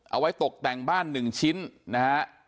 เอาไว้ตกแต่งบ้าน๑ชิ้นนะฮะ